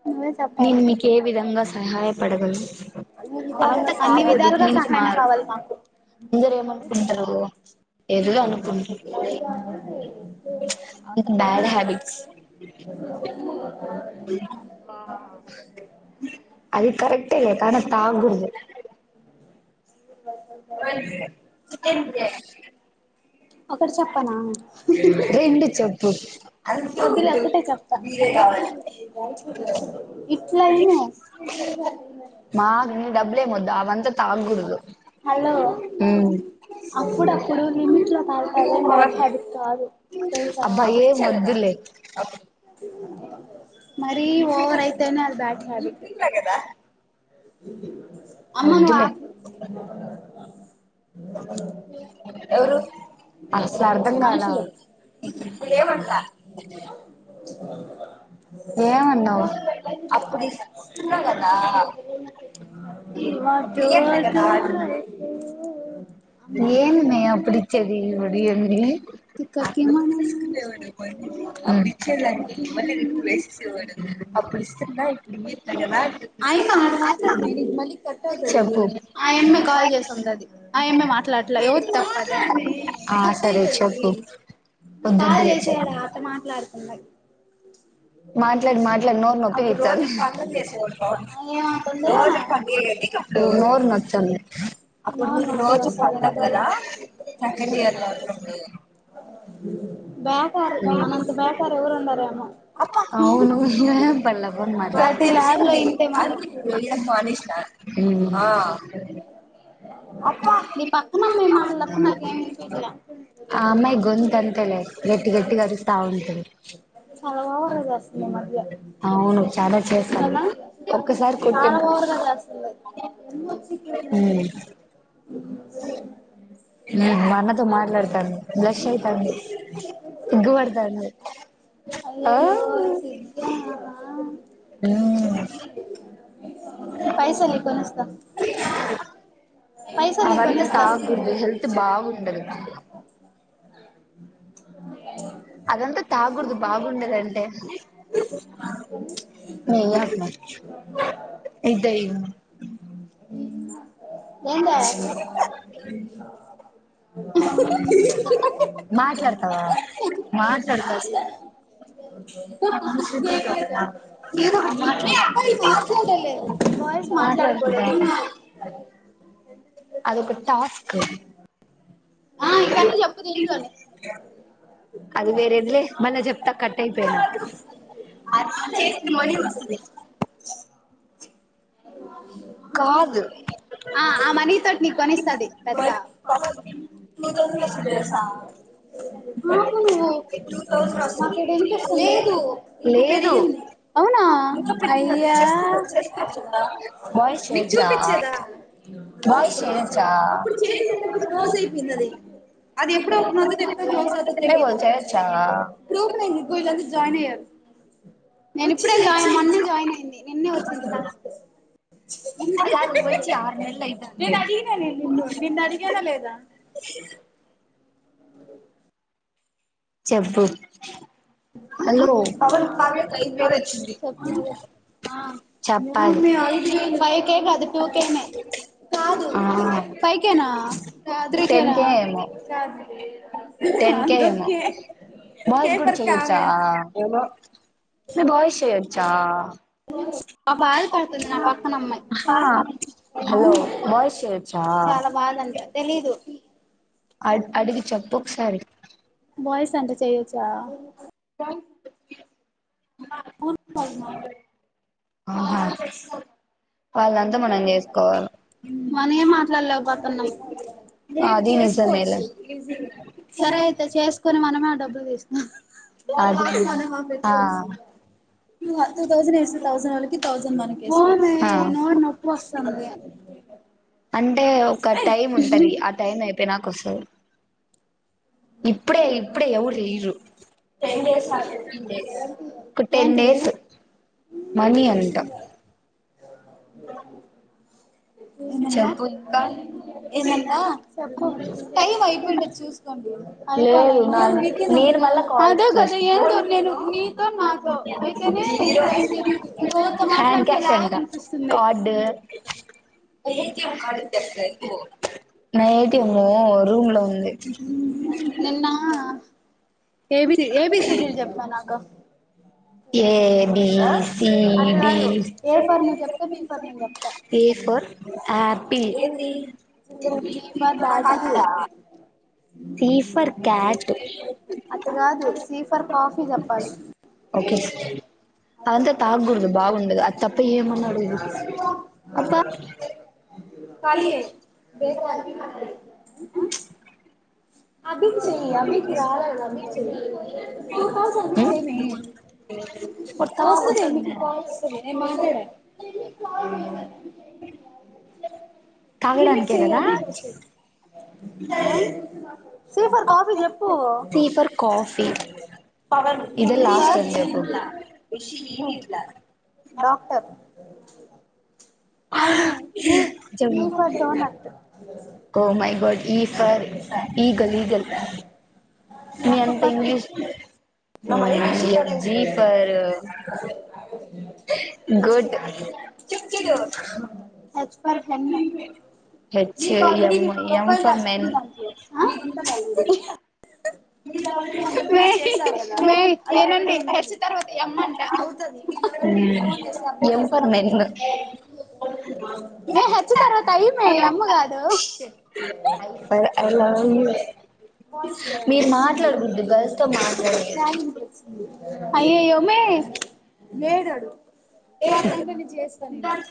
అ నేను మీకు ఏ విధంగా సహాయపడగలను అవంతా కాగదు ఇప్పు నుంచి మారు అందరు ఏమనుకుంటారు ఏదు అనుకుంట అంత బ్యాడ్ హ్యాబిట్స్ అ [unintelligible] అది కరక్టే కాని తాగ కూడదు చికెన్ బిర్యానీ ఒకటి చెప్ప నా కొద్దిర ఒక్కటే చెప్తా ఇట్లా ఏమ హలో అప్పుడప్పుడు లిమిట్ లో కాాల అబ్బా ఏం వద్దులే [unintelligible] మరి ఓవర్ అయితేనే అది బ్యాడ్ హ్యాబిట్ అమ్మను ఎవరు అసలు అర్ధంకాల ఏమంటా [inaudible] మా చ [unintelligible] చ [unintelligible] ఏ మ అప్పుడుచ్చేది ఒడియంంది చెప్పు ఆ అమ్మి కాల్ చేసి ఉండాది ఆ అమ్మి మా తప్పు అయితది మాట్లాడవే మాట్లాడీ మాట్లాడి నోరు నొప్పి లేస్తాంది నోరు నొప్పి అప్పుడు మీకు రోజు పండగ కదా సెకండ్ ఇయర్ లో అవుతుంది [unintelligible] బేకారు మనంత బేకారు ఎవరు ఉండారేమో అప్పా అవును హరోయ బళ్ళబ అమా తెకు అ [unintelligible] [inaudible] అక్క ఆ అమ్మాయి గొంతే అంతేలే గట్టి గట్టిగా అరుస్తా ఉంటంది ఓవర్ గా చేస్తుంది ఈ మధ్య అవున చాలా ఓవర్గా చేస్తుంది హ్మ్ [inaudible] మనతో మాట్లాడతాంది బ్లష్ అయితాంది సిగ్గు బడతంది ఓహ్ ఉ పైసలి కొనేస్ త తిన్నా అ వంతా తాగుడుదు హెల్త్ బాగుండదు అదంతా తాగుడుదు బాగుండదంటే నీయ ఇగాయి ఎందే నే అబ్బాయిలు మాట్లాడలే బోయ్స్ మాట్లాడకూడ ఆ అదొక టాస్కు అది వేరేదిలే మళ్ళా చెప్తా కట్ అయిపోయింది ఆ ఆ మనీ తోటి నీకు కొనిస్తతి తెలుస ఆపు నువ్వు నాకు ఇడ వినిపిస్తుంది లేదు ఇది పెరిగింది అవునా అయ్యా వచ్చిందా నీకు చూపించేదా బాయ్స్ చేయొచ్చా అప్పుడు చేసేదంటే అప్పుడు క్లోజ్ అయిపోయింది అది ఎప్పుడ క ఎప్పుడు క్లోజ్ అవుతాదో తెలిదు ఇప్పుడు ఓపెన్ అయింది ఇగో వీళ్లంతా జాయిన్ అయ్యారు నేను ఇప్పుడే జాయిన్ మొన్నే జాయిన్ అయ్యింది నిన్నే వచ్చింది టాస్క్ నేను అడిగినా నేను నిన్ను నిన్ను అడిగానా లేదా అ చెప్పు ఫైవ్ కే కాదు టూ కేనే కాదు ఫైవ కేేనా త్రీ కేనా కాదు కే కే ఫర్ చా ఏమో సే బాయ్స్ చేయొచ్చా ఆ బాధ పడుతుంది నా పక్కన అమ్మాయి ఆ చాలా బాధ అంట తెలీదు అ అడిగి చెప్పు ఒకసారి బాయ్స్ అంట చేయచ్చా ఉన్నారు ఆ మన ఏం మాట్లాడలేకపోతున్నాం చేసుకోవచ్చ ఈజీగా సరే అయితే చేసుకోని మనమే ఆ డబ్బులు తీసు వాళ్ల హాఫ్ మనకి హాఫ్ ఎక్కువ వస్తుంది టు టు తౌసండ్, తౌసండ్ వాళ్లకి తౌసండ్ మనకి [inaudible] పొస్సంది అంటే ఒక టైం ఉంటది ఆ టైం అయిపోయినాక వస్సది ఇప్పుడే ఇప్పుడే ఎవరు ఎవురు జెయిరు ఒక టెన్ డేస్ మనీ అంట అలో ఏందంట ఏందంట టైం అయిపోయింట చూసుకోండి లేదు నా నేను మళ్ళా కాల్ చేసా హ్యాండ్ క్యాష్ అంట కార్డు నైటి మూ రూమ్ లో ఉంది నిన్న ఏబీ ఏ బి సిడిల్ చెప్ మనక్క A B C D A for apple అటు గాదు సీఫర్ కాఫీ చెప్పాలి ఓకే అదంతా తాగకూడదు బాగుండదు అది తప్ప ఏమన్నాడేది అబ ఏ కా అభీ చెయి అబీకి రాల గదా అబీ క్ చేయి ఫోర్ థౌసండ్ చెయ్ మే వొస్తది మీకి కాల్ వస్తది మాట్లాడ అవు కాఫీ చెప్పు షట్లా నాల్మై డీ ఫర్ డోనట్ మై గడ్ ఈ ఫర్ ఈగ ఈగల్ మీ అంత English G for good H M M for men ఇడాల్రెడీ మే ఏనండి హెచ్ తర్వాత ఎమ్ అమ్మంట అడ మే హచ్చిన తర్వాత అయి మే అమ్మ కాదు మీరు మాట్లాడకుద్దు గర్ల్స్ తో మాట్లాడే అయ్యో అయో మే ఏడు వాడు దానికని చేస్తా నేను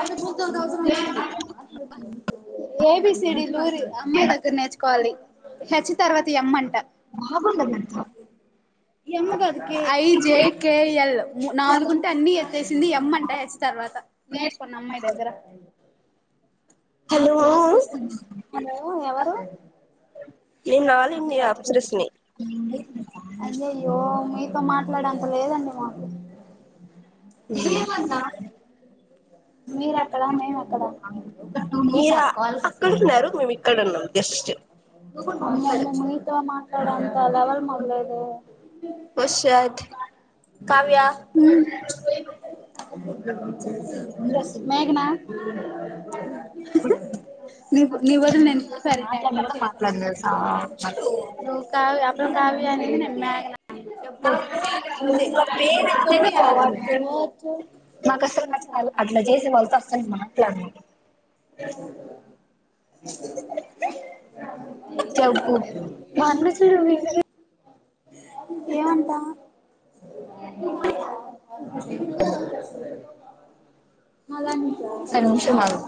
అ టూ థౌసం వచ్చింది ఏబిసిడిలూ అమ్మాయి దగ్గర నేర్చుకోవాలి హెచ్ తర్వత ఎమ్మంట అగంద గంత ఐ జే కే ఎల్ నాలుగుంటే అన్నీ చేసింది ఏం అంట హెచ్ తర్వాత నేర్చుకొండి అమ్మాయి దగ్గర హలో ఎవరు నన్ నాలు అప్సరిస్ అయ్యయ్యో మీతో మాట్లాడెంత లేదండి ఆ మీరెక్కడా మెమెక్కడా అమ్మమ్మో మీతో మా లెవల మేఘనా అ మాట్లాడినా కూడా మాట్లాడలేదు చాలా సేపు ఒక ఆ పిల్ల కావ్య అ అనేది నేను మేఘన అ జగ్గు మరణ చడు మీ ఏమంటా అలానే ఒక్క నిమిషం ఆగు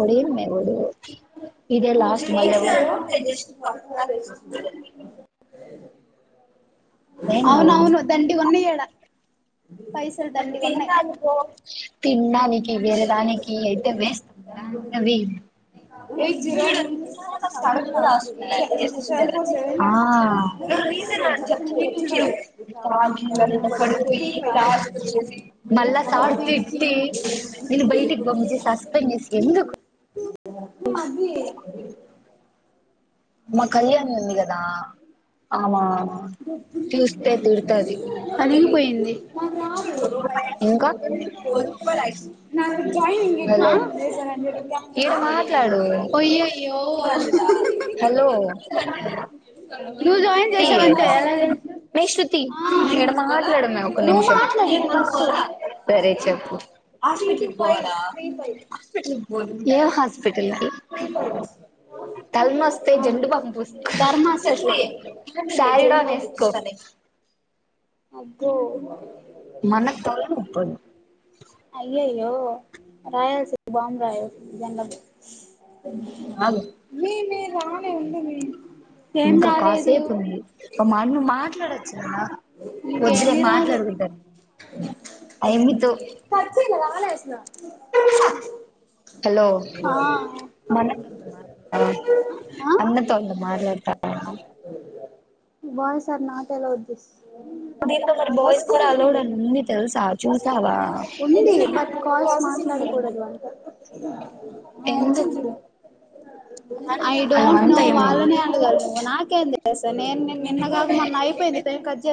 మడి మడి ఇదే లాస్ట్ మ [inaudible] అవునౌవును దండిగునింది ఈడ పైసలు దండిగ ఉన్నాయి ఆ మళ్ళా సార్ తిట్టి నిన్నుబయటికి పంపించి సస్పెండ్ చేసి ఎందుకు మద్ది మా కళ్యాణి ఉంది కదా ఆమ అలిగిపోయింది నాకు జాయిన్ అయ్య అయ్యో హలో మీ శృతి ఈడ మాట్లాడమ్మాయ్ ఒక నిమిషం సరే చెప్పు ఏ హాస్పిటల్ కి [unintelligible] జండుబాం పూస్ సారిడాన్ ఏసుకో అబ్బో మనకి తలనొప్పొ ఏవో రాయల్సి బాంబాయి జెండాలు ఆగు ఇంకా కాసేపు ఉంది [unintelligible] నువ్వు మా మాట్లాడచ్చు కదా మీకేమీ రాదు ఆ ఆ boys are not allowed this దీంట్లో మరి బాయ్స్ కూడా అలౌడ్ అని ఉంది తెలుసా చూసావా ఎందు ఐ డోంట్ నో వాళ్ళనే అడగాలా నువ్వు నాకేం తెలుసు నేను నిన్న కాక మొన్న అయిపోయింది పేకజ్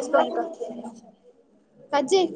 కట్ చెయ్